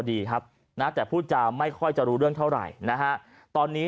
ดีครับนะแต่พูดจาไม่ค่อยจะรู้เรื่องเท่าไหร่นะฮะตอนนี้